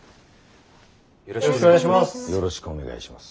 よろしくお願いします。